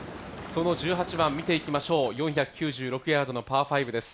その１８番見ていきましょう４９６ヤードのパー５です。